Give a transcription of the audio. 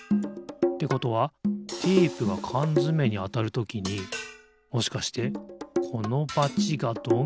ってことはテープがかんづめにあたるときにもしかしてこのバチがドミノをたおす？